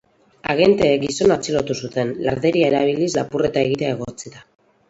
Agenteek gizona atxilotu zuten, larderia erabiliz lapurreta egitea egotzita.